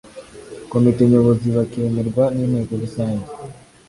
Komite Nyobozi bakemerwa n Inteko Rusange